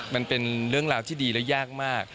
มันเป็นเรื่องราวที่ดีและยากมาก